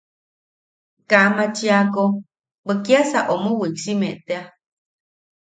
Kaa machiako, bwe kiasa omo wiksiime tea.